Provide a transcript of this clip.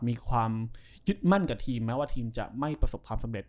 มีความยึดมั่นกับทีมแม้ว่าทีมจะไม่ประสบความสำเร็จ